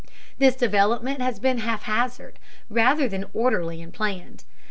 This development has been haphazard, rather than orderly and planned.